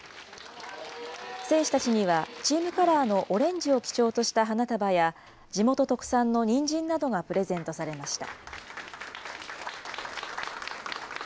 選手たちには、チームカラーのオレンジを基調とした花束や、地元特産のにんじんなどがプレゼントされました。